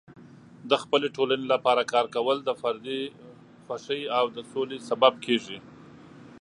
د خپلې ټولنې لپاره کار کول د فردي خوښۍ او د سولې سبب کیږي.